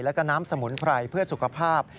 แล้วก็น้ำสมุนไพรเพื่อสุขภาพ